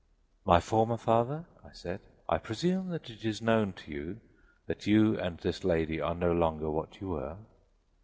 "My former father," I said, "I presume that it is known to you that you and this lady are no longer what you were?"